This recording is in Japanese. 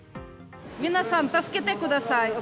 皆さん助けてください。